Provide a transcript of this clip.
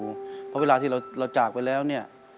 เพราะเวลาที่เราจากไปแล้วเนี่ย